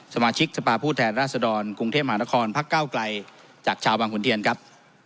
สมาชิกสภาพผู้แทนราชดรกรุงเทพมหานครพักเก้าไกลจากชาวบางขุนเทียนครับ